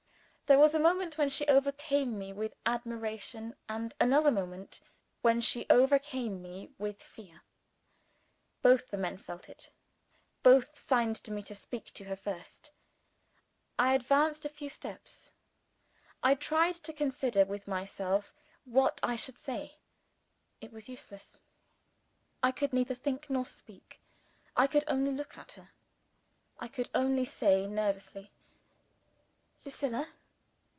There was a moment when she overcame me with admiration, and another moment when she overcame me with fear. Both the men felt it. Both signed to me to speak to her first. I advanced a few steps. I tried to consider with myself what I should say. It was useless. I could neither think nor speak. I could only look at her. I could only say, nervously "Lucilla!"